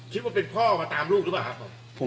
คิดว่าเป็นพ่อมาตามลูกหรือเปล่าครับผม